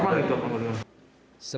apa lagi dok uangnya